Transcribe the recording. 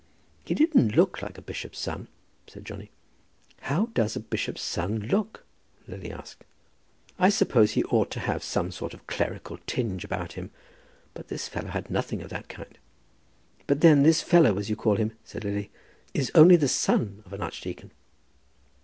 "He didn't look like a bishop's son," said Johnny. "How does a bishop's son look?" Lily asked. "I suppose he ought to have some sort of clerical tinge about him; but this fellow had nothing of that kind." "But then this fellow, as you call him," said Lily, "is only the son of an archdeacon."